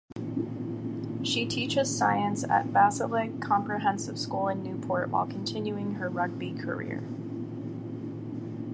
She teaches science at Bassaleg Comprehensive School in Newport while continuing her rugby career.